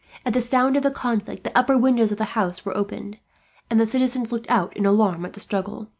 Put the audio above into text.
At the sound of the conflict the upper windows of the houses were opened, and the citizens looked out in alarm at the struggle.